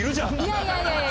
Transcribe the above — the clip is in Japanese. いやいやいやいや！